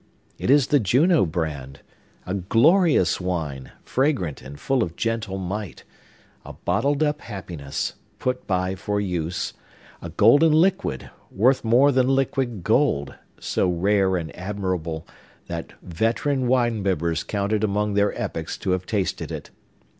It is the Juno brand; a glorious wine, fragrant, and full of gentle might; a bottled up happiness, put by for use; a golden liquid, worth more than liquid gold; so rare and admirable, that veteran wine bibbers count it among their epochs to have tasted it!